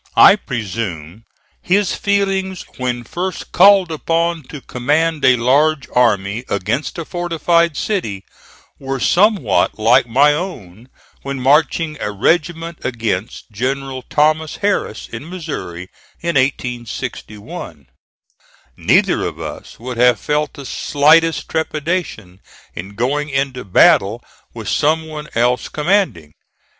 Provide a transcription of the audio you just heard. I presume his feelings when first called upon to command a large army against a fortified city, were somewhat like my own when marching a regiment against General Thomas Harris in Missouri in 1861. Neither of us would have felt the slightest trepidation in going into battle with some one else commanding.